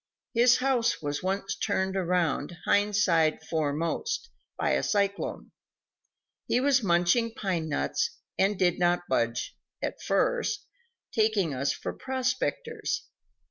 His house was once turned around, hind side foremost, by a cyclone. He was munching pinenuts, and did not budge, at first, taking us for prospectors.